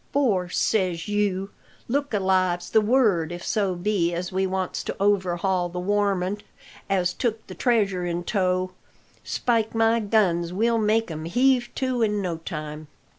For, says you, look alive's the word if so be as we wants to overhaul the warmint as took the treasure in tow. Spike my guns! we'll make him heave to in no time!